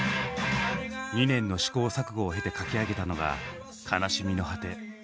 ２年の試行錯誤を経て書き上げたのが「悲しみの果て」。